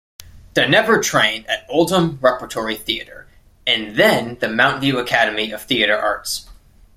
Dynevor trained at Oldham Repertory Theatre and then the Mountview Academy of Theatre Arts.